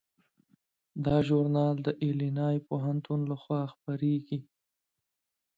دا ژورنال د ایلینای پوهنتون لخوا خپریږي.